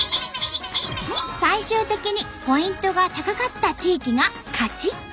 最終的にポイントが高かった地域が勝ち。